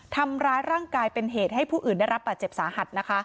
ทำร้ายร่างกายเป็นเหตุให้ผู้อื่นได้รับบาดเจ็บสาหัส